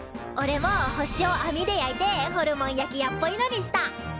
おれも星をあみで焼いてホルモン焼き屋っぽいのにした。